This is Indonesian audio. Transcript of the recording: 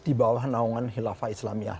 di bawah naungan khilafah islamiyah